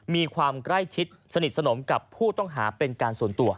มีความใกล้ชิดสนิทสนมกับผู้ต้องหาเป็นการส่วนตัว